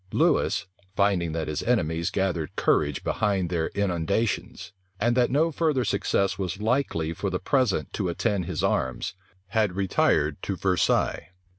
Lewis, finding that his enemies gathered courage behind their inundations, and that no further success was likely for the present to attend his arms, had retired to Versailles.